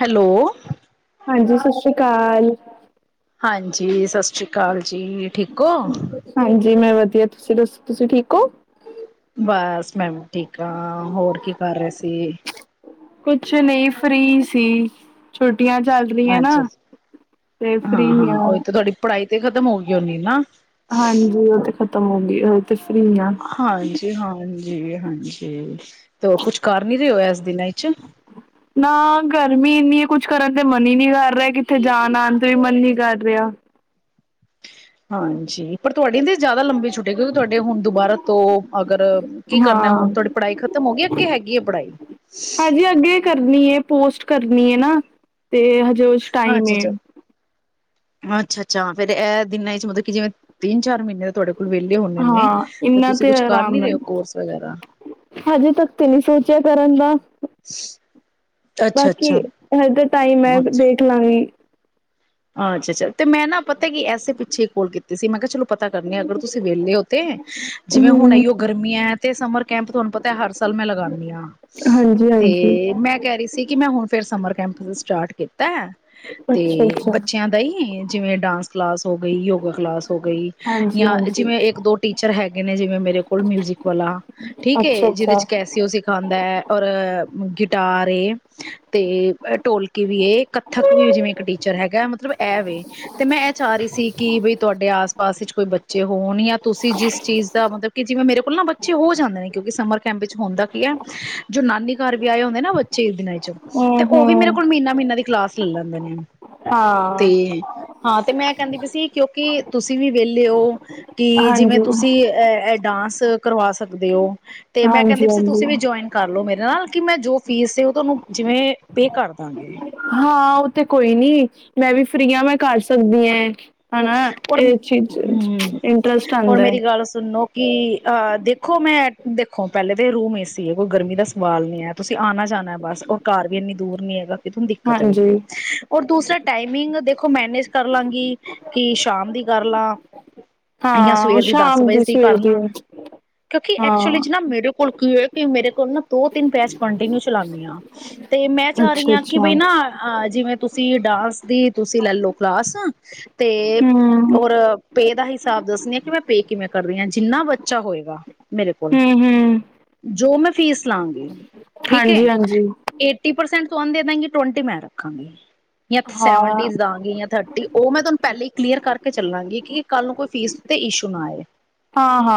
Hello. ਹਾਂਜੀ ਸਤਿ ਸ਼੍ਰੀ ਅਕਾਲ। ਹਾਂਜੀ ਸਤਿ ਸ਼੍ਰੀ ਅਕਾਲ। ਜੀ ਠੀਕ ਹੋ? ਹਾਂਜੀ ਮੈਂ ਵਧੀਆ ਤੁਸੀਂ ਦੱਸੋ ਤੁਸੀਂ ਠੀਕ ਹੋ? ਬਸ ਮੈਂ ਵੀ ਠੀਕ ਹਾਂ ਹੋਰ ਕੀ ਕਰ ਰਹੇ ਸੀ। ਕੁਛ ਨਹੀਂ ਫ੍ਰੀ ਸੀ। ਛੁੱਟੀਆਂ ਚੱਲ ਰਹੀਆਂ ਨਾ ਅੱਛਾ ਤੇ ਹਾਂ ਫ੍ਰਰੀ ਹਾਂ ਆ ਓਹੀ ਤਾਂ ਤੁਹਾਡੀ ਪੜ੍ਹਾਈ ਤੇ ਖਤਮ ਹੋ ਗਈ ਹੋਣੀ ਨਾ। ਖ਼ਤਮ ਹੋ ਗਈ ਉਹ ਤੇ ਫ੍ਰੀ ਆ ਹਾਂਜੀ ਹਾਂਜ ਜੀ ਹਾਂਜੀ ਤੇ ਕੁਛ ਕਰ ਨੀ ਰਹੇ ਹੋ ਇਸ ਦਿਨਾਂ ਵਿਚ? ਨਾ ਗਰਮੀ ਇੰਨੀ ਹੈ ਕੁਛ ਕਰਨ ਤੇ ਮਨ ਹੀ ਨਹੀਂ ਕਰ ਰਿਹਾ ਕਿੱਥੇ ਜਾਣ ਆਉਣ ਤੇ ਵੀ ਮਨ ਨੀ ਕਰ ਰਿਹਾ। ਹਾਂਜੀ ਪਰ ਤੁਹਾਡੀਆਂ ਤੇ ਜ਼ਿਆਦਾ ਲੰਬੀ ਛੁੱਟੀਆਂ ਕਿਉਂਕਿ ਤੁਹਾਡੇ ਹੁਣ ਦੁਬਾਰਾ ਤੋ ਅ ਅਗਰ ਕੀ ਕਰਨਾ ਹਾਂ ਹੁਣ ਤੁਹਾਡੀ ਪੜ੍ਹਾਈ ਖਤਮ ਹੋ ਗਈ ਅੱਗੇ ਹੈਗੀ ਹੈ ਪੜ੍ਹਾਈ ਹਜੇ ਅੱਗੇ ਕਰਨੀ ਹੈ ਪੋਸਟ ਕਰਨੀ ਹੈ ਨਾ ਤੇ ਹਜੇ ਉਚ ਟਾਈਮ ਅੱਛਾ ਏ, ਅੱਛਾ ਅੱਛਾ-ਅੱਛਾ, ਫੇਰ ਇਹ ਦਿਨਾਂ ਚ ਮਤਲਬ ਕਿ ਜਿਵੇਂ ਤਿੰਨ ਚਾਰ ਮਹੀਨੇ ਤੁਹਾਡੇ ਕੋਲ ਵਿਹਲੇ ਹੁੰਣੇ ਨੇ ਹਾਂ ਤੇ ਇੰਨਾ ਤੁਸੀਂ ਕੁਛ ਕਰ ਆਰਾਮ ਨੀ ਰਹੇ ਨਾਲ ਹੋ ਕੋਰਸ ਵਗੈਰਾ ਹਜੇ ਤੱਕ ਤੇ ਨਹੀਂ ਸੋਚਿਆ ਕਰਨ ਦਾ ਬਾਕੀ ਅੱਛਾ-ਅੱਛਾ ਹਜੇ ਟਾਈਮ ਹੈੈਂ, ਅੱਛਾ ਦੇਖ ਲਾਂਗੀ। ਅੱਛਾ-ਅੱਛਾ, ਤੇ ਮੈਂ ਨਾ ਪਤਾ ਕਿ ਐਸੇ ਪਿੱਛੇ ਕੋਲ ਕੀਤੇ ਸੀ, ਮੈਂ ਕਿਹਾ ਚਲੋ ਪਤਾ ਕਰਨੀ ਅਗਰ ਤੁਸੀਂ ਵਹਲੇ ਹੋ ਤੇ ਜਿਵੇਂ ਹੁਣ ਹਮ ਆਈਓ ਗਰਮੀਆਂ ਏ ਤੇ ਸਮਰ ਕੈਂਪ ਤੁਹਾਨੂੰ ਪਤਾ ਹਰ ਸਾਲ ਮੈਂ ਲਗਾਨੀ ਹਾਂ। ਹਾਂਜੀ ਹਾਂਜੀ ਤੇ ਮੈਂ ਕਹਿ ਰਹੀ ਸੀ। ਕਿ ਮੈਂ ਹੁਣ ਫਿਰ ਸਮਰ ਕੈਂਪਸ ਸਟਾਰਟ ਕੀਤਾ। ਤੇ ਅੱਛਾ-ਅੱਛਾ, ਬੱਚਿਆਂ ਦਾ ਈ, ਜਿਵੇਂ ਡਾਂਸ ਕਲਾਸ ਹੋ ਗਈ ਯੋਗਾ ਕਲਾਸ ਹੋ ਗਈ ਹਾਂਜੀ ਜਾਂ ਹਾਂਜੀ ਜਿਵੇਂ ਇੱਕ ਦੋ ਟੀਮ ਪਰ ਹੈਗੇ ਨੇ ਜਿਵੇਂ ਮੇਰੇ ਕੋਲ ਮਿਊਜ਼ਿਕ ਵਾਲਾ ਠੀਕ ਅੱਛਾ ਏ, ਜਿਹਦੇ ਅੱਛਾ ਚ ਕੈਸਿਓ ਸਿਖਾ ਹੁੰਦਾ ਹੈ, ਔਰ ਗਿਟਾਰ ਏ। ਤੇ ਢੋਲਕੀ ਵੀ ਏ ਕੱਥਕ ਵੀ ਜਿਵੇਂ ਹਮ ਇੱਕ ਟੀਚਰ ਹੈਗਾ ਮਤਲਬ। ਇਹਵੇ ਤੇ ਮੈਂ ਇਹ ਚਾਹ ਰਹੀ ਸੀ, ਕਿ ਬਈ ਤੁਹਾਡੇ ਆਸ -ਪਾਸ ਵਿੱਚ ਕੋਈ ਬੱਚੇ ਹੋਣ ਜਾਂ ਤੁਸੀਂ ਜਿਸ ਚੀਜ਼ ਦਾ ਮਤਲਬ ਕਿ ਜਿਵੇਂ ਮੇਰੇ ਕੋਲ ਨਾ ਬੱਚੇ ਹੋ ਜਾਂਦੇ ਨੇ ਕਿਉਂਕਿ ਸਮਰ ਕੈਂਪ ਵਿੱਚ ਹੁੰਦਾ ਕੀ ਹੈ, ਜੋ ਨਾਨੀ ਘਰ ਵੀ ਆਏ ਹੁੰਦੇ ਨਾ ਬੱਚੇ ਇਹ ਦਿਨਾਂ ਚੇ ਉਹ ਵੀ ਮੇਰੇ ਹਮ ਕੋਲ ਮਹੀਨਾ-ਮਹੀਨਾ ਦੀ ਕਲਾਸ ਲੈ ਲੈਂਦੇ ਨੇ। ਤੇ ਹਾਂ ਹਾਂ ਤੇ ਮੈਂ ਕਹਿੰਦੀ ਵੀ ਸੀ ਕਿਉਂਕਿ ਤੁਸੀਂ ਵੀ ਵਿਹਲੇ ਹੋ। ਕਿ ਜਿਵੇਂ ਹਾਂਜੀ ਤੁਸੀਂ ਅਹ ਅਹ ਇਹ ਡਾਂਸ ਕਰਵਾ ਸਕਦੇ ਹੋ। ਤੇ ਮੈਂ ਹਾਂਜੀ ਕਹਿੰਦੀ ਸੀ ਹਾਂਜੀ ਤੁਸੀਂ ਵੀ ਜੁਆਇਨ ਕਰ ਲੋ ਮੇਰੇ ਨਾਲ ਕਿ ਮੈਂ ਜੋ ਫੀਸ ਸੀ, ਉਹ ਤੁਹਾਨੂੰ ਜਿਵੇਂ ਪੇ ਕਰ ਦਾਂਗੀ ਹਾਂ ਉਹ ਤੇ ਕੋਈ ਨੀ ਮੈਂ ਵੀ ਫਰੀ ਹਾਂ ਮੈਂ ਕਰ ਸਕਦੀ ਹਾਂ। [inaudible] ਹਨਾ ਇਹ ਚੀਜ਼ ਇੰਟਰਸਟ ਆਉਂਦਾ ਹੈ ਦੇਖੋ ਪਹਿਲੇ ਤਾਂ ਰੂਮ ਏ ਸੀ ਹੈ ਕੋਈ ਗਰਮੀ ਦਾ ਸਵਾਲ ਨੀ ਹੈ ਤੁਸੀਂ ਆਉਣਾ ਜਾਣਾ ਬਸ ਔਰ ਘਰ ਵੀ ਇੰਨੀ ਦੂਰ ਨੀ ਹੈਗਾ। ਦਿੱਕਤ ਹਾਂਜੀ ਹੋਏਗੀ ਔਰ ਦੂਸਰਾ ਟਾਈਮਿੰਗ ਮੈਨੇਜ ਕਰ ਲਾਂਗੀ। ਕਿ ਸ਼ਾਮ ਦੀ ਕਰ ਲਾ ਜਾਂ ਹਾਂ ਉਹ ਸਵੇਰ ਦੀ ਦਸ ਸ਼ਾਮ ਵਜੇ ਦੀ ਸਵੇਰ ਕਰ ਲਾ ਕਿਉਂਕਿ ਹਾਂ ਐਕਚੁਲੀ ਚ ਨਾ ਵੀਡਿਓ ਕੋਲ। ਜਿਵੇਂ ਕਿ ਮੇਰੇ ਕੋਲ ਨਾ। ਦੋ-ਤਿੰਨ ਬੈਚ ਕੰਟੀਨਿਊ ਚਲਾਉਣੀ ਹਾਂ ਤੇ ਮੈਂ ਚਾਹ ਰਹੀ ਅੱਛਾ ਹਾਂ ਕਿ ਅੱਛਾ ਬਈ ਹਮ ਨਾ ਆ। ਜਿਵੇਂ ਤੁਸੀਂ ਡਾਂਸ ਦੀ ਤੁਸੀਂ ਲੈਲੋ ਕਲਾਸ। ਤੇ ਹਮ ਹੋਰ। ਪੇ ਦਾ ਹਿਸਾਬ ਦੱਸਦੀ ਹਾਂ ਕਿ ਮੈਂ ਪੇ ਕਿਵੇਂ ਕਰਦੀ ਹਾਂ ਜਿੰਨਾ ਬੱਚਾ ਹੋਏਗਾ। ਮੇਰੇ ਕੋਲ ਹਮ ਜੋ ਮੈਂ। ਫੀਸ ਲਾਂਗੇ। ਠੀਕ ਹੈ ਹਾਂਜੀ ਹਾਂਜੀ ਏਟੀ ਪਰਸੈਂਟ। ਤੁਹਾਨੂੰ ਦੇ ਦਾਂਗੀ ਟਵੰਟੀ ਮੈਂ ਰੱਖਾਂਗੀ। ਜਾਂ ਹਾਂ ਸੈਵਨਟੀਜ਼ ਦਾਂਗੀ ਜਾਂ ਥ [unintelligible] ਪਹਿਲਾਂ ਹੀ ਕਲੀਅਰ ਕਰਕੇ ਚੱਲਾਂਗੀ ਕਿ ਕੱਲ੍ਹ ਨੂੰ ਕੋਈ ਫੀਸ ਉੱਤੇ ਇਸ਼ੂ ਨਾ ਆਏ। ਹਾਂ-ਹਾਂ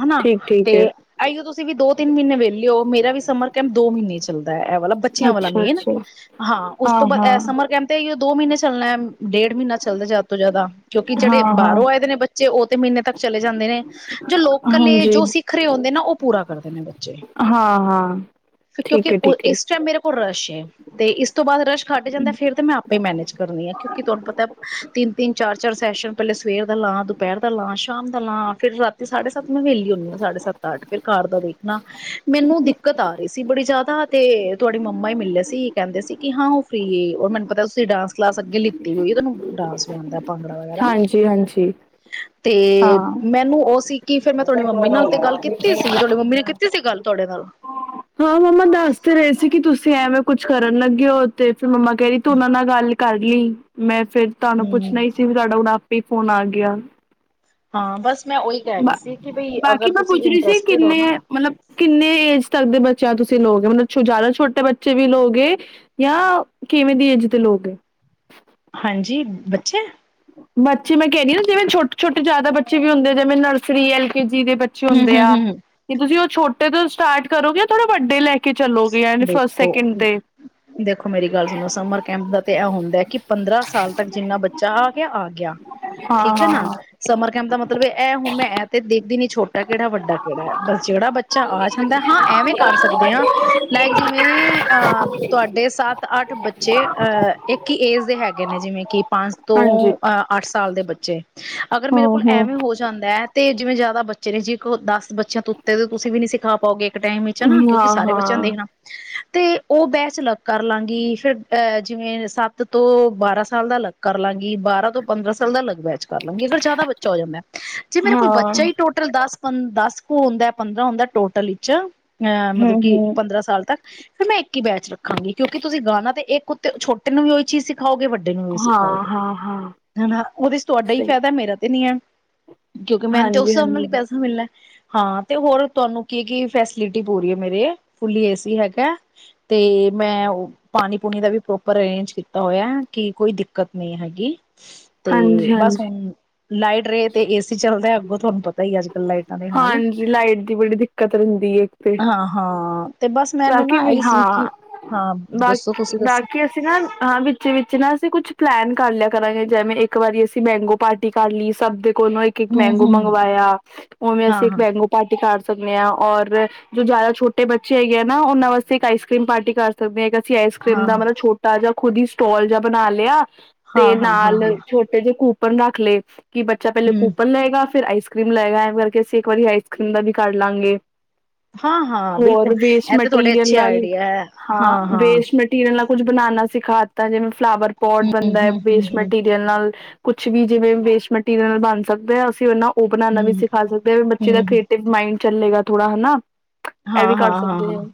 ਹਨਾ ਠੀਕ-ਠੀਕ ਤੇ ਹੈ। ਆਈਓ ਤੁਸੀਂ ਵੀ ਦੋ-ਤਿੰਨ ਮਹੀਨੇ ਵਿਹਲੇ ਹੋ ਮੇਰਾ ਵੀ ਸਮਰ ਕੈਂਪ ਦੋ ਮਹੀਨੇ ਚੱਲਦਾ ਹੈ। ਵਾਲਾ ਬੱਚਿਆਂ ਵਾਲਾ ਅੱਛਾ ਮੇਨ ਅੱਛਾ ਹਾਂ ਉਸ ਤੋਂ ਬਾਅਦ ਤਾਂ ਇਹ ਹਾਂ-ਹਾਂ, ਸਮਰ ਕੈਂਪ ਤੇ ਇਹੀਓ। ਦੋ ਮਹੀਨੇ ਚੱਲਣਾ ਡੇਢ ਮਹੀਨਾ। ਚੱਲਦੇ ਜ਼ਿਆਦਾ ਤੋਂ ਜ਼ਿਆਦਾ। ਕਿਉਂਕਿ ਜਿਹੜੇ ਹਾਂ-ਹਾਂ, ਬਾਹਰੋਂ ਆਏ ਦੇ ਨੇ ਬੱਚੇ ਉਹ। ਮਹੀਨੇ ਤੱਕ ਚਲੇ ਜਾਂਦੇ ਨੇ। ਜੋ ਲੋਕਲ ਨੇ ਹਾਂਜੀ, ਜੋ ਸਿਖ ਰਹੇ ਹੁੰਦੇ ਨਾ ਉਹ। ਪੂਰਾ ਕਰਦੇ ਨੇ ਬੱਚੇ। ਹਾਂ-ਹਾਂ, ਜੋ ਠੀਕ ਕਿਉਂਕਿ ਐ-ਠੀਕ ਐ। ਇਸ ਟਾਈਮ ਮੇਰੇ ਕੋਲ ਰਸ਼ ਹੈ। ਤੇ ਇਸ ਤੋਂ ਬਾਅਦ ਰਸ਼ ਘੱਟ ਜਾਂਦਾ ਫੇਰ ਤਾਂ ਮੈਂ ਆਪੇ ਹੀ ਮੈਨੇਜ ਕਰਨੀ ਆ ਕਿਉਂਕਿ ਤੁਹਾਨੂੰ ਪਤਾ ਏ। ਤਿੰਨ-ਤਿੰਨ ਚਾਰ-ਚਾਰ ਸੈਸ਼ਨ ਪਹਿਲੇ ਸਵੇਰ ਦਾ ਲਾਂ ਦੁਪਹਿਰ ਦਾ ਲਾਂ ਸ਼ਾਮ ਦਾ ਲਾਂ ਫੇਰ ਰਾਤੀ ਸਾਢੇ ਸੱਤ ਮੈਂ ਵਿਹਲੀ ਹੁੰਦੀ ਹ ਸਾਢੇ ਸੱਤ ਅੱਠ ਫਿਰ ਘਰ ਦਾ ਦੇਖਣਾ ਮੈਨੂੰ ਦਿੱਕਤ ਆ ਰਹੀ ਸੀ ਬੜੀ ਜ਼ਿਆਦਾ ਤੇ ਤੁਹਾਡੀ ਮੰਮਾ ਹੀ ਮਿਲੇ ਸੀ ਕਹਿੰਦੇ ਸੀ ਕਿ ਹਾਂ ਉਹ ਫਰੀ ਰ ਮੈਨੂੰ ਪਤਾ ਤੁਸੀਂ ਡਾਂਸ ਕਲਾਸ ਅੱਗੇ ਲਿੱਤੀ ਹੋਈ ਤੁਹਨੂੰ। ਡਾਂਸ ਵੀ ਆਉਂਦਾ ਏ। ਭੰਗੜਾ ਵਗੈਰਾ ਹਾਂਜੀ-ਹਾਂਜੀ, ਤੇ ਹਾਂ। ਮੈਨੂੰ ਉਹ ਸੀ। ਫੇਰ ਮੈਂ ਤੁਹਾਡੀ ਮੰਮੀ ਨਾਲ ਤੇ ਗੱਲ ਕੀਤੀ ਸੀ ਤੁਹਾਡੀ ਮੰਮੀ ਨੇ ਕੀਤੀ ਸੀ ਗੱਲ। ਤੁਹਾਡੇ ਨਾਲ। ਹਾਂ ਮੰਮਾ ਦੱਸ ਤੇ ਰਹੇ ਸੀ ਕਿ ਤੁਸੀਂ ਐਵੇਂ ਕੁੱਛ ਕਰਨ ਲੱਗੇ ਹੋ ਤੇ ਤੇ ਮੰਮਾ ਕਹਿਰੀ ਤੂੰ ਉਹਨਾਂ ਨਾਲ ਗੱਲ ਕਰ ਲਈ ਮੈਂ ਫੇਰ ਤੁਹਾਨੂੰ ਹਮ ਪੁੱਛਣਾ ਹੀ ਸੀ ਫੇਰ ਸਾਡਾ ਹੁਣ ਫੋਨ ਆ ਗਿਆ ਹਾਂ ਬਸ ਮੈਂ ਉਹੀ ਕਹਿ ਰਹੀ ਬਾ ਸੀ ਕਿ ਬਈ ਬਾਕੀ ਅਗਰ ਮੈਂ ਤੁਸੀਂ ਪੁੱਛ ਰਹੀ ਸੀ ਇੰਟਰਸਟਿਡ ਹੋ ਕਿੰਨੇ ਨਾ ਮਤਲਬ ਕਿੰਨੇ ਏਜ ਤੱਕ ਦੇ ਬ ਯਾ ਤੁਸੀਂ ਲੋਗੇ ਮਤਲਬ ਜ਼ਿਆਦਾ ਛੋਟੇ ਬੱਚੇ ਵੀ ਲੋਗੇ ਯਾ ਕਿਵੇਂ ਦੀ ਏਜ ਦੇ ਲੋਗੇ ਹਾਂਜੀ ਬੱਚੇ ਬੱਚੇ ਮੈਂ ਕਹਿਨੀ ਹ ਜਿਵੇਂ ਛੋਟੇ ਛੋਟੇ ਜ਼ਿਆਦਾ ਬੱਚੇ ਵੀ ਹੁੰਦੇ ਨੇ ਜਿਵੇਂ ਨਰਸਰੀ ਐਲ ਕੇ ਜੀ ਜੀ ਦੇ ਬੱਚੇ ਹੂੰ ਹੁੰਦੇ ਹੂੰ ਆ ਹੂੰ ਕਿ ਤੁਸੀਂ ਉਹ ਛੋਟੇ ਤੋਂ ਸਟਾਰਟ ਕਰੋਗੇ ਯਾ ਥੋੜੇ ਵੱਡੇ ਲੈ ਕੇ ਚੱਲੋਗੇ ਯਾਨੀ ਫਸਟ ਦੇਖੋ ਸੈਕਿੰਡ ਤੇ ਦੇਖੋ ਮੇਰੀ ਗੱਲ ਸੁਣੋ ਸਮਰ ਕੈਂਪ ਦਾ ਤੇ ਇਹ ਹੁੰਦਾ ਕੀ ਪੰਦਰਾਂ ਸਾਲ ਤੱਕ ਜਿੰਨਾ ਬੱਚਾ ਆ ਗਿਆ ਆ ਗਿਆ ਹਾਂ ਠੀਕ ਹੈ ਨਾ ਹਾਂ ਸਮਰ ਕੈਂਪ ਦਾ ਮਤਲਬ ਇਹ ਹੁਣ ਮੈਂ ਐ ਤੇ ਦੇਖਦੀ ਨੀ ਛੋਟਾ ਕਿਹੜਾ ਵੱਡਾ ਕਿਹੜਾ ਬਸ ਜਿਹੜਾ ਬੱਚਾ ਆ ਜਾਂਦਾ ਹਾਂ ਐਵੇਂ ਕਰ ਸਕਦੇ ਹਾਂ ਲਾਇਕ ਜਿਵੇਂ ਅ ਤੁਹਾਡੇ ਸੱਤ ਅੱਠ ਬੱਚੇ ਅ ਇੱਕ ਹੀ ਏਜ ਦੇ ਹੈਗੇ ਨੇ ਜਿਵੇਂ ਕਿ ਪੰਜ ਤੋਂ ਹਾਂਜੀ ਅੱਠ ਸਾਲ ਦੇ ਬੱਚੇ ਅਗਰ ਮੇਰੇ ਹਾਂ ਕੋਲ ਹਾਂ ਐਵੇਂ ਹੋ ਜਾਂਦਾ ਹੈ ਤੇ ਜਿਵੇਂ ਬੱਚੇ ਨੇ ਜੀ ਕੋ ਦਸ ਬੱਚਿਆਂ ਉੱਤੇ ਤੇ ਤੁਸੀਂ ਵੀ ਨੀ ਸਿਖਾ ਪਾਓਗੇ ਟੈਮ ਵਿਚ ਆ ਨਾ ਕਿਉਂਕਿ ਹਾਂ ਸਾਰੇ ਬੱਚ ਹਾਂ ਦੇਖਣਾ ਤੇ ਉਹ ਬੈਚ ਅਲੱਗ ਕਰ ਲਾਂਗੀ ਫੇਰ ਅਹ ਜਿਵੇਂ ਸੱਤ ਤੋਂ ਬਾਰਾਂ ਸਾਲ ਦਾ ਅਲੱਗ ਕਰ ਲਾਂਗੀ ਬਾਰਾਂ ਤੋਂ ਪੰਦਰਾਂ ਸਾਲ ਦਾ ਅਲੱਗ ਬੈਚ ਕਰ ਲਾਂਗੀ ਅਗਰ ਜ਼ਿਆਦਾ ਬੱਚਾ ਹੋ ਜਾਂਦਾ ਜੇ ਮੇਰੇ ਕੋਲ ਹਾਂ ਬੱਚਾ ਹੀ ਟੋਟਲ ਦੱਸ ਪੰ ਦਸ ਕੁ ਹੁੰਦਾ ਪੰਦਰਾਂ ਹੁੰਦਾ ਟੋਟਲ ਵਿੱਚ ਅ ਹਮ ਮਤਲਬ ਕੀ ਹਮ ਪੰਦਰਾਂ ਸਾਲ ਤੱਕ ਫ਼ਿਰ ਮੈਂ ਇੱਕ ਹੀ ਬੈਚ ਰੱਖਾਂਗੀ ਕਿਉਂਕਿ ਤੁਸੀਂ ਗਾਣਾ ਤੇ ਇੱਕ ਉੱਤੇ ਛੋਟੇ ਨੂੰ ਵੀ ਉਹੀ ਚੀਜ਼ ਸੀਖ ਸਿਖਾਓਗੇ ਵੱਡੇ ਨੂੰ ਵੀ ਹਾਂ ਸਿਖਾਓਗੇ ਹਾਂ ਹਾਂ ਹੈ ਨਾ ਉਹਦੇ ਚ ਤੁਹਾਡਾ ਹੀ ਸਹੀ ਫਾਇਦਾ ਮੇਰਾ ਤੇ ਨੀ ਹੈ ਕਿਉਂਕਿ ਮੈਨੂੰ ਤੇ ਉਸ ਹਾਂਜੀ ਹਿਸਾਬ ਨਾਲ ਹੀ ਹਾਂਜੀ ਪੈਸਾ ਮਿਲਣਾ ਹਾਂ ਤੇ ਹੋਰ ਤੁਹਾਨੂੰ ਕੀ ਕੀ ਫੈਸਿਲਿਟੀ ਪੂਰੀ ਹੈ ਮੇਰੇ ਫੁੱਲਲੀ ਏ ਸੀ ਹੈਗਾ ਤੇ ਮੈਂ ਪਾਣੀ ਪੂਣੀ ਦਾ ਵੀ ਪ੍ਰੋਪਰ ਅਰੇਂਜ ਕੀਤਾ ਹੋਇਆ ਕਿ ਕੋਈ ਦਿੱਕਤ ਨਹੀਂ ਹੈਗੀ ਤੇ ਹਾਂਜੀ ਬਸ ਹਾਂਜੀ ਹੁਣ ਲਾਈਟ ਰਹੇ ਤੇ ਇਸ ਚੱਲਦੇ ਹ ਅੱਗੋਂ ਤੁਹਾਨੂੰ ਪਤਾ ਹੀ ਅ ਅਜ ਕੱਲ ਲਾਈਟ ਹਾਂਜੀ ਲਾਈਟ ਦੀ ਬੜੀ ਦਿੱਕਤ ਰਹਿੰਦੀ ਐ ਇੱਕ ਤੇ ਹਾਂ-ਹਾਂ ਤੇ ਬਸ ਮੈਨੂੰ ਬਾਕੀ ਨਾ ਵੀ ਇਹੀ ਸੀ ਕਿ ਹਾਂ ਹਾਂ ਦੱਸੋ ਬਾਕੀ ਤੁਸੀਂ ਦੱਸੋ ਬਾਕੀ ਅਸੀਂ ਨਾ ਹਾਂ ਵਿੱਚੇ ਵਿੱਚ ਨਾਂ ਅਸੀਂ ਕੁਛ ਪਲੈਨ ਕਰ ਲਿਆ ਕਰਾਂਗੇ ਜਿਵੇਂ ਇੱਕ ਵਾਰੀ ਅਸੀਂ ਮੈਂਗੋ ਪਾਰਟੀ ਕਰ ਲਈ ਸਭ ਦੇ ਉਹਨੂੰ ਇੱਕ ਇੱਕ ਮੈਂਗੋ ਹੂੰ-ਹੂੰ ਮੰਗਵਾਇਆ ਉਵੇਂ ਅਸੀਂ ਇੱਕ ਮੈਂਗੋ ਪਾਰਟੀ ਕਰ ਸਕਣੇ ਆਂ ਔਰ ਜੋ ਜ਼ਿਆਦਾ ਛੋਟੇ ਬੱਚੇ ਏ ਨਾ ਉਹਨਾਂ ਵਾਸਤੇ ਇੱਕ ਆਈਸ ਕਰ੍ਰੀਮ ਪਾਰਟੀ ਕਰ ਸਕਦੇ ਆਂ। ਆਈਸ ਕਰ੍ਰੀਮ ਦਾ ਹਾਂ-ਹਾਂ-ਹਾਂ-ਹਾਂ ਮਤਲਬ ਛੋਟਾ ਜਿਹਾ ਖੁਦ ਹੀ ਸਟੋਲ ਜ ਬਣਾ ਲਿਆ ਤੇ ਨਾਲ ਹਾਂ-ਹਾਂ-ਹਾਂ-ਹਾਂ ਛੋਟੇ ਜਿਹੇ ਕੂ ਪਨ ਰੱਖਲੇ। ਕਿ ਬੱਚਾ ਪਹਿਲੇ ਹੂੰ ਕੂਪਨ ਲਏਗਾ ਫਿਰ ਆਈਸ ਕਰ੍ਰੀਮ ਲੈਗਾ ਐਂ ਕਰਕੇ ਅਸੀਂ ਇੱਕ ਵਾਰੀ ਆਈਸ ਕਰ੍ਰੀਮ ਦਾ ਵੀ ਕਰਲਾਂਗੇ। ਹਾਂ, ਹਾਂ, ਬਿਲਕੁਲ। ਇਹ ਤੇ ਤੁਹਾਡੇ ਮਟੀਰੀਅਲ ਅੱਛੇ ਨਾਲ, ਆਈਡੀਆ ਹੈ ਹਾਂ, ਹਾਂ-ਹਾਂ ਦੇਸ਼ ਮਟੀਰ ਚ ਨਾਲ ਕੁੱਝ ਬਣਾਉਣਾ ਸਿਖਾਤਾ ਜਿਵੇਂ ਫਲਾਵਰ ਪੋਟ ਹੂੰ, ਹੂੰ, ਬਣਦਾ ਐ ਹੂੰ, ਵੇਸਟ ਹੂੰ, ਮਟੀਰੀਅਲ ਨਾਲ। ਕੁਛ ਵੀ ਜਿਵੇਂ ਵੇਸਟ ਮਟੀਰੀਅਲ ਬਣ ਸਕਦਾ ਅਸੀਂ ਉਨ੍ਹਾਂ ਉਹ ਬਣਾਣਾ ਹੂੰ, ਵੀ ਸਿਖਾ ਸਕਦੇ ਐ, ਵੀ ਬੱਚੇ ਦਾ ਹੂੰ, ਹੂੰ। ਕ੍ਰੀਏਟਿਵ ਮਾਈੰਡ ਚੱਲੇਗਾ ਥੋੜਾ ਹਨਾਂ। ਹਾਂ, ਹਾਂ। ਹਾਂ, ਹਾਂ,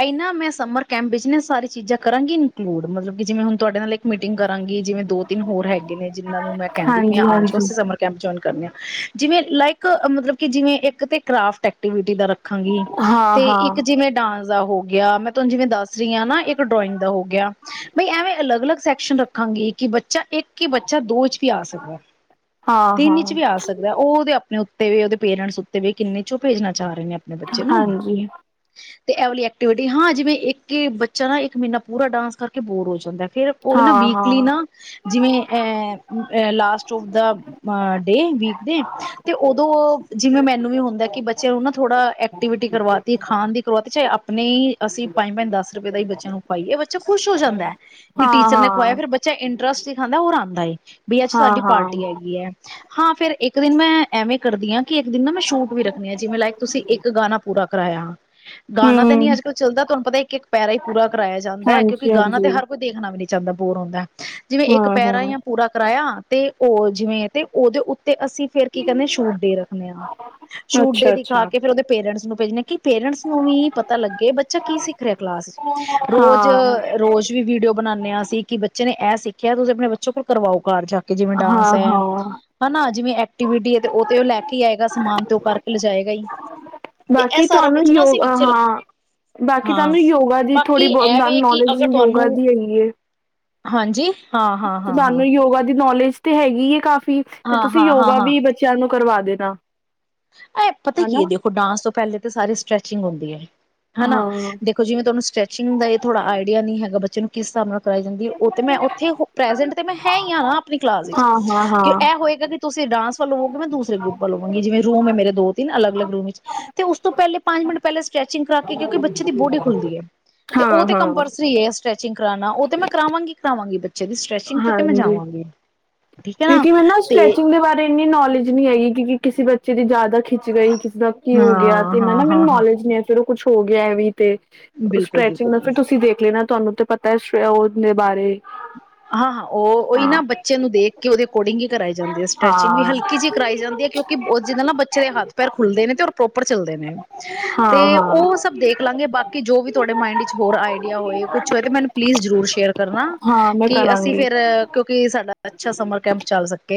ਐਇ ਨਾਂ ਮੈਂ ਸਮਰ ਕੈਂਪ ਵਿੱਚ ਨਾ ਸਾਰੀ ਚੀਜ਼ਾਂ ਕਰਾਂਗੀ ਇਨਕਲੂਡ ਮਤਲਬ ਕਿ ਜਿਵੇਂ ਹੁਣ ਤੁਆਡੇ ਨਾਲ ਇ ਮੀਟਿੰਗ ਕਰਾਂਗੀ ਜਿਵੇਂ ਦੋ ਤਿੰਨ ਹੋਰ ਹੈਗੇ ਨੇਂ ਜਿਹਨਾਂ ਨੂੰ ਮੈਂ ਕਹਿੰਦੀ ਪਈ ਹਾਂਜੀ ਆਂ ਆੱਜੋ ਹਾਂਜੀ ਅਸੀਂ ਸਮਰ ਕੈਂਪ ਜੁਆਇਨ ਕਰਨੇ ਆਂ। ਜਿਵੇਂ ਲਾਈਕ ਮਤਲਬ ਕਿ ਜਿਵੇਂ ਇੱਕ ਤੇ ਕਰਾਫਟ ਐਕਟੀਵਿਟੀ ਦਾ ਰੱਖ ਹਾਂ ਤੇ ਹਾਂ ਇੱਕ ਜਿਵੇਂ ਡਾਂਸ ਦਾ ਹੋ ਗਿਆ ਮੈਂ ਤੁਹਾਨੂੰ ਜਿਵੇਂ ਦੱਸ ਰਈ ਆਂ ਨਾਂ ਇੱਕ ਡਰੋਇੰਗ ਦਾ ਹੋ ਗਿਆ ਬਈ ਐਵੇਂ ਅਲੱਗ-ਅਲੱਗ ਸੈਕ ਸ਼ਨ ਰੱਖਾਂਗੇ ਕਿ ਬੱਚ ਬੱਚਾ ਇੱਕ ਹੀ ਬੱਚਾ ਦੋ ਚ ਵੀ ਆ ਸਕਦਾ ਹਾਂ ਤਿੰਨ ਚ ਹਾਂ ਵੀ ਆ ਸਕਦਾ ਉਹ ਉਹਦੇ ਆਪਣੇ ਊਤ ਤੇ ਵੀ ਉਹਦੇ ਪੇਰਟਸ ਉੱਤੇ ਵੀ ਕਿੰਨੇ ਚੋ ਭੇਜਣਾ ਚਾਹ ਰਏ ਨੇ। ਅਤੇ ਹਾਂਜੀ। ਤੇ ਐ ਵਾਲੀ ਐਕਟੀਵਿਟੀ ਹਾਂ ਜਿਵੇਂ ਇੱਕ ਬੱਚਾ ਨਾ ਇੱਕ ਮਹੀਨਾ ਪੂਰਾ ਡਾਂਸ ਕਰਕੇ ਬੋਰ ਹੋ ਜਾਂਦਾ। ਫਿਰ ਉਹ ਨਾ ਹਾਂ ਹਾਂ ਵੀਕਲੀ ਨਾ ਜਿਵੇਂ ਐ, ਅ ਲਾਸਟ ਆੱਫਦਾ ਡੇ ਵੀਕ ਡੇ ਤੇ ਉਦੋਂ ਓ ਜਿਵੇਂ ਮੈਨੂੰ ਵੀ ਹੁੰਦਾ ਕਿ ਬੱਚਿਆਂ ਨੂੰ ਨਾ ਥੋੜਾ ਏ ਐਕਟੀਵਿਟੀ ਕਰਵਾਤੀ ਖਾਣ ਦੀ ਕਰਵਾਤੀ ਚਾਹੇ ਆਪਣੇ ਹੀ ਅਸੀਂ ਪੰਜ-ਪੰਜ ਦਸ ਰੁਪਏ ਦਾ ਹੀ ਬੱਚਿਆਂ ਨੂੰ ਖਵਾਈਏ ਬੱਚਾ ਖੁਸ਼ ਹੋ ਜਾਂਦਾ ਐ। ਕਿ ਹਾਂ ਟੀਚਰ ਨੇ ਖੁਆਇਆ ਹਾਂ ਫਿਰ ਬੱਚਾ ਇੰਟ ਰਸ ਹੀ ਖਾਂਦਾ, ਓਰ ਆਉਂਦਾ ਏ ਬਈ ਅੱਜ ਹਾਂ ਸਾਡੀ ਹਾਂ ਪਾਰਟੀ ਹੈਗੀ ਹੈ। ਹਾਂ, ਫਿਰ ਇੱਕ ਦਿਨ ਮੈਂ ਐਵੇਂ ਕਰਦੀ ਹਾਂ ਕਿ ਇੱਕ ਦਿਨ ਨਾ ਮੈਂ ਸ਼ੂਟ ਵੀ ਰੱਖਣੀ ਆ, ਜਿਵੇਂ ਲਾਇਕ ਤੁਸੀਂ ਇੱਕ ਪੂਰਾ ਕਰਾਇਆ। ਗਾਣਾ ਤਾਂ ਨੀ ਹਮ ਅੱਜ- ਕੱਲ ਚੱਲਦਾ, ਤੁਹਾਨੂੰ ਪਤਾ ਇੱਕ- ਇੱਕ ਪੈਰਾ ਹੀ ਪੂਰਾ ਕਰਵਾਇਆ ਜਾਂਦਾ ਹੈ, ਕਿਉਂਕਿ ਹਾਂਜੀ ਗਾਣਾ ਤੇ ਹਾਂਜੀ ਹਰ ਕੋਈ ਦੇਖਣਾ ਵੀ ਨਹੀਂ ਚਦਾ ਬੋਰ ਹੁੰਦਾ ਏ ਜਿਵੇਂ ਇੱਕ ਹਾਂ ਪੈਰਾ ਹਾਂ ਯਾ ਪੂਰਾ ਕਰਾਇਆ। ਤੇ ਉਹ ਜਿਵੇਂ ਤੇ ਉਹਦੇ ਉ ਤੇ ਅਸੀਂ ਫਿਰ ਕੀ ਕਹਿੰਣੇ ਹਾਂ ਛੂਡੇ ਰੱਖਣੇ ਹਾਂ, ਛੂਡੇ ਅੱਛਾ ਦਿਖਾ ਅੱਛਾ ਕੇ ਫਿਰ ਉਹਦੇ ਰੈਡਸ ਭੇਜ ਨੇ ਕਿ ਪੇਰੈਂਟਸ ਨੂੰ ਵੀ ਪਤਾ ਲੱਗੇ ਬੱਚਾ ਕੀ ਸਿੱਖ ਰਿਹਾ ਕਲਾਸ 'ਚ, ਰੋਜ਼, ਹਾਂ ਰੋਜ਼ ਵੀਡੀਓ ਬਣਾਂਦੇ ਹਾਂਸੀਂ ਕਿ ਬੱਚੇ ਨੇ ਐ ਸਿੱਖਿਆ ਤੁਸੀਂ ਆਪਣੇ ਬੱਚੇ ਕੋਲ ਕਰਵਾਓ ਘਰ ਜਾ ਜਿਵੇਂ ਡਾਂਸ ਹਾਂ ਹੈ ਹਾਂ ਹਨਾ, ਜਿਵੇ ਐਕਟੀਵਿਟੀ ਆ ਤੇ ਓ ਤੇ ਲੈ ਕੇ ਆਏਗਾ ਸਮਾਨ ਤੇ ਉਹ ਕਰਕੇ ਲਿਜਾਏ ਗਾ ਹੀ। ਤੇ ਇਹ ਬਾਕੀ ਸਾਰਾ ਤੁਹਾਨੂੰ ਕੁਛ ਨਾ ਯੋ ਅਸੀਂ ਵਿੱਚ ਹਾਂ ਬਾਕੀ ਹਾਂ ਤੁਹਾਨੂੰ ਯੋਗਾ ਦੀ ਬਾਕੀ ਥੋੜ੍ਹੀ ਐ ਬਹੁਤ ਵੇ ਕਿ ਨੋਲੇਜ ਅਗਰ ਤੁਹਾਨੂੰ ਯੋਗਾ ਦੀ ਹੈਗੀ ਹੈ। ਹਾਂਜੀ। ਹਾਂ ਹਾਂ ਹਾਂ ਹਾਂ ਤੁਆਨੂੰ ਯੋਗਾ ਦੀ ਨੌਲੇਜ ਤੇ ਹੈਗੀ ਇਹ ਕਾਫੀ ਵੀ ਕਿ ਤੇ ਹਾਂ ਤੁਸੀਂ ਹਾਂ ਹਾਂ ਯੋਗਾ ਹਾਂ ਵੀ ਬੱਚਿਆਂ ਨੂੰ ਕਰਵਾ ਦੇਣਾ। ਇਹ ਪਤਾ ਕੀ ਹਨਾ ਹੈ ਦੇਖੋ ਡਾਂਸ ਤੋਂ ਪਹਿਲੇ ਤਾਂ ਸਾਰੇ ਸਟ੍ਰੈਚਿੰਗ ਹੁੰਦੀ ਹੈ ਹਨਾ, ਹਾਂ ਦੇਖੋ ਜਿਵੇਂ ਤੁਹਾਨੂੰ ਸਟ੍ਰੈਚਿੰਗ ਦਾ ਇਹ ਥੋੜ੍ਹਾ ਆਈਡੀਆ ਨਹੀਂ ਹੈਗਾ ਬੱਚੇ ਨੂੰ ਕਿ ਸਾਨੂੰ ਕਰ ਜਾਂਦੀ ਉਹ ਮੈਂ ਉੱਥੇ ਪ੍ਰੈਜੈਂਟ ਤੇ ਮੈਂ ਹੈ ਹੀ ਆ ਨਾ, ਆਪਣੀ ਕਲਾਸ ਵਿੱਚ ਹਾਂ ਹਾਂ ਹਾਂ ਕਿ ਇਹ ਹੋਏਗਾ ਕਿ ਤੁਸੀਂ ਡਾਂਸ ਚਲ [unintelligible] ਹੁਣ ਮੈਂ ਦੂਸਰੇ ਗਰੁੱਪ ਦਾ ਲਵਾਂਗੀ ਜਿਵੇ ਸਾਮਣੇ ਮੇਰੇ ਦੋ ਤ ਅਲੱਗ, ਅਲੱਗ ਰੂਮ ਤੇ ਉਸ ਤੋਂ ਪਹਿਲੇ ਪੰਜ ਮਿੰਟ ਪਹਿਲੇ ਸਟ੍ਰੈਚਿੰਗ ਕਰਕੇ ਕਿਉਂਕਿ ਬੱਚੇ ਦੀ ਬੋਡੀ ਖੁੱਲਦੀ ਹੈ, ਤੇ ਉਹ ਹਾਂ ਤੇ ਹਾਂ ਕੰਪਲਸਰੀ ਸਚ ਗ ਕਰਣਾ ਉਹ ਤੇ ਮੈਂ ਕਰਾਵਾਂਗੀ, ਕਰਾਵਾਂਗੀ ਬੱਚ ਜਦ ਸਟ੍ਰੈਚਿੰਗ ਤੋਂ ਤੇ ਮੈਂ ਹਾਂਜੀ ਜਾਵਾਂਗੀ। ਠੀਕ ਹੈ ਕਿਉਂਕਿ ਮੈਂ ਨਾ ਤੇ ਸਟਰੈਚਿੰਗ ਦੇ ਬਾਰੇ ਇੰਨੀ ਨੋਲ ਇੰਜ ਨਹੀਂ ਹੈਗੀ ਕਿ ਕਿਸੇ ਬੱਚੇ ਦੀ ਜ਼ਿਆਦਾ। ਖਿੱਚ ਗਈ ਕਿਸ ਦਾ ਕੀ ਹੋ ਗਿਆ ਹਾਂ ਤੇ ਨਾ ਹਾਂ ਮੈਨੂੰ ਹਾਂ ਹਾਂ ਨੌਲੇਜ ਨਹੀਂ ਫੇਰ ਉਹ ਕੁੱਛ ਹੋ ਗਿਆ ਐਵੇਂ ਤੇ ਬਿਲਕੁਲ ਸਟ੍ਰੈਚਿੰਗ ਨਾਲ ਬਿਲਕੁਲ ਫਿਰ ਤੁਸੀਂ ਦੇਖ ਲੈਣਾ। ਤੁਹਾਨੂੰ ਤੇ ਪਤਾ ਹੈ ਉਹ ਦੇ ਬਾਰੇ। ਹਾਂ-ਹਾਂ ਉਹ ਉਹੀ ਨਾ ਹਾਂ ਬੱਚੇ ਨੂੰ ਦੇਖ ਕੇ ਉਹਦੇ ਅਕੋਰਡਿੰਗ ਹੀ ਕਰਾਈ ਜਾਂਦੀ ਹੈ ਸਟਰੈਚਿੰਗ ਵੀ ਹਾਂ ਹਲਕੀ ਜਿਹੀ ਕਰਾਈ ਜਾਂਦੀ ਹੈ। ਕਿਉਂਕਿ ਜਿੱਦ ਨਾਲ ਨਾ ਬੱਚੇ ਦੇ ਹੱਥ ਪੈਰ ਖੁੱਲਦੇ ਨੇ ਤੇ ਰ ਪ੍ਰੋਪਰ ਚੱਲ ਦੇ ਨੇ ਹਾਂ ਤੇ ਉਹ ਹਾਂ ਸਭ ਦੇਖ ਲਾਂਗੇ ਬਾਕੀ ਜੋ ਵੀ ਤੁਹਾਡੇ ਮਾਇੰਡ ਵਿੱਚ ਹੋਰ ਆਈਡੀਆ ਹੋਏ ਕੁਛ ਹੋਏ ਤੇ ਮੈਨੂੰ ਪਲੀਜ਼ ਜ਼ਰੂਰ ਸ਼ੇਅਰ ਕਰਨਾ। ਹਾਂ ਮੈਂ ਕਿ ਅਸੀਂ ਕਰਾਂਗੀ ਫੇਰ ਕਿਉਂਕਿ ਸਾਡਾ ਅੱਛਾ ਸਮਰ ਕੈਂਪ ਚੱਲ ਸਕੇ।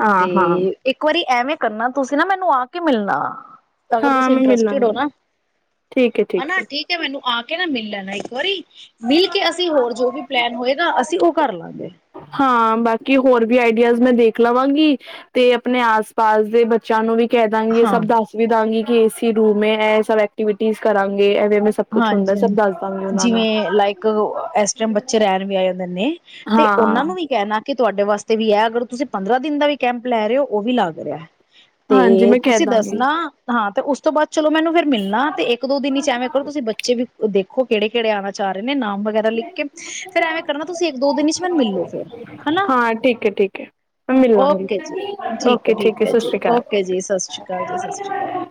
ਹਾਂ ਤੇ ਹਾਂ ਇੱਕ ਵਾਰੀ ਐਵੇ ਕਰਨਾ ਤੁਸੀਂ ਨਾ ਮੈਨੂੰ ਆ ਕੇ ਮਿਲਣਾ। ਅਗਰ ਹਾਂ ਤੁਸੀਂ ਮੈਂ ਇੰਟਰਸਟਿਡ ਹੋ ਮਿਲਾਂਗੀ ਨਾ ਹਨਾ ਠੀਕ ਹੈ ਮੈਨੂੰ ਆ ਕੇ ਕੇ ਨਾ ਮਿਲ ਲੈਣਾ ਇੱਕ ਵਾਰੀ। ਮਿਲ ਕੇ ਅਸੀਂ ਹੋਰ ਜੋ ਵੀ ਪਲੈਨ ਹੋਏ ਅਸੀਂ ਉਹ ਕਰ ਲਾਂਗੇ। ਹਾਂ, ਬਾਕੀ ਹੋਰ ਵੀ ਆਈਡੀਆਜ਼ ਮੈਂ ਦੇਖ ਲਵਾਂਗੀ ਤੇ ਆਪਣੇ ਆਸ ਪਾਸ ਦੇ ਬੱਚਿਆਂ ਨੂੰ ਵੀ ਕਹਿ ਦਾਂਗੀ ਸਭ ਹਾਂ ਦੱਸ ਵੀ ਦਾਂਗੀ। ਏਸੀ ਰੂਮ ਏ। ਇਹ ਸਭ ਐਕਟੀਵਿਟੀਜ਼ ਕਰਾਂਗੇ। ਐਵੇਂ ਐਵੇਂ ਸਭ ਕੁਛ ਹੁੰਦਾ ਹਾਂਜੀ-ਹਾਂਜੀ। ਸਭ ਦੱਸ ਦਾਂਗੀ ਉਹਨਾਂ ਨੂੰ ਜਿਵੇਂ ਲਾਈਕ ਇਸ ਟਾਈਮ ਬੱਚੇ ਰਹਿਣ ਵੀ ਆਏ ਹੁੰਦੇ ਨੇ। ਤੇ ਉਹਨਾਂ ਹਾਂ ਨੂੰ ਵੀ ਕਹਿਣਾ ਕਿ ਤੁਹਾਡੇ ਵਾਸਤੇ ਵੀ ਹੈ। ਅਗਰ ਤੁਸੀਂ ਪੰਦਰਾਂ ਦਿਨ ਦਾ ਵੀ ਕੈਂਪ ਲੈ ਰਹੇ ਹੋ ਉਹ ਵੀ ਲੱਗ ਰਿਹਾ। ਤੇ ਹਾਂਜੀ ਮੈਂ ਕਹਿ ਤੁਸੀਂ ਦਾਂਗੀ ਦੱਸਣਾ ਹਾਂ ਤਾਂ ਉਸ ਤੋਂ ਬਾਅਦ ਚਲੋ ਮੈਨੂੰ ਫੇਰ ਮਿਲਣਾ ਤੇ ਇੱਕ ਦੋ ਦਿਨ ਇਚ ਐਵੇ ਬੱਚੇ ਵੀ ਦੇਖੋ ਕਿਹੜੇ-ਕਿਹੜੇ ਆਣਾ ਚਾਹ ਰਹੇ ਨਾਮ ਵਗੈਰਾ ਲਿਖ ਕੇ ਫੇਰ ਐਵੇਂ ਕਰਨਾ ਤੁਸੀਂ ਇੱਕ ਦੋ ਦਿਨ ਮੈਨ ਮਿਲੋ ਫਿਰ ਹਨਾ। ਹਾਂ ਠੀਕ ਹੈ ਠੀਕ ਹੈ ਮੈਂ ਮਿਲਾਂਗੀ ਓਕੇ ਜੀ। ਠੀਕ ਹੈ। ਓਕੇ ਠੀਕ ਹੈ ਸਤਿ ਜੀ। ਸ਼੍ਰੀ ਅਕਾਲ ਓਕੇ ਜੀ। ਸਤਿ ਸ਼੍ਰੀ ਅਕਾਲ ਜੀ, ਸਤਿ ਸ਼੍ਰੀ ਅਕਾਲ।